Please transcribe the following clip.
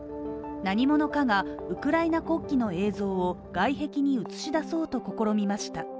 何者かがウクライナ国旗の映像を外壁に映し出そうと試みました。